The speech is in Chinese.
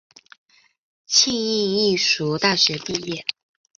庆应义塾大学毕业。